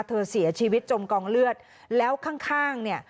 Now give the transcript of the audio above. เธอเสียชีวิตจมกองเลือดแล้วข้างข้างเนี่ย